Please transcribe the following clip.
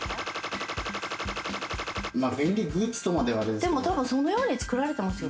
便利グッズとまではあれですけれど。